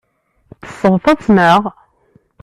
Tesseɣtaḍ-tt, naɣ?